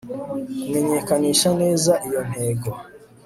kumenyekanisha neza iyo ntego